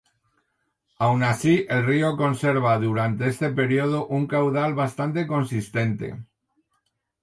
Aun así, el río conserva durante este periodo un caudal bastante consistente.